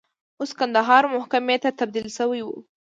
اوس کندهار محکمې ته تبدیل شوی و.